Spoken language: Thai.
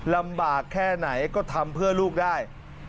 ลำบากแค่ไหนก็ทำเพื่อลูกได้